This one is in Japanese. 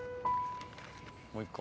もう一個？